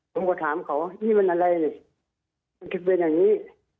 ผมก็ถามเขานี่มันอะไรนี่มันถึงเป็นอย่างนี้